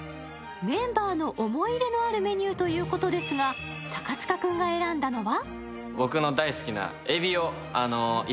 メンバーの思い入れのあるメニューということですが、高塚君が選んだのは？